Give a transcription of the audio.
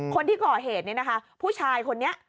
คนที่ก่อเหตุนี้นะคะผู้ชายคนนี้